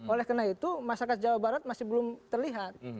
oleh karena itu masyarakat jawa barat masih belum terlihat